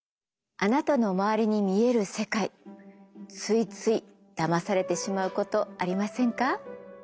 あなたの周りに見える世界ついついだまされてしまうことありませんか？